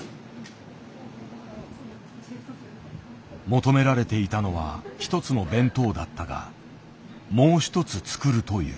求められていたのは１つの弁当だったがもう一つ作るという。